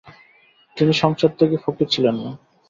তিনি সংসারত্যাগী ফকির ছিলেন না।